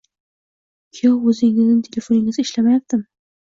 Kuyov, o`zingizning telefoningiz ishlamayaptimi